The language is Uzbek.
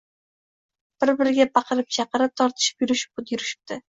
bir-biriga baqirib-chaqirib, tortishib-yulishib yurishibdi.